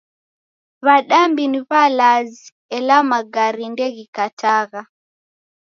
W'adambi ni w'alazi , ela magari ndeghikatagha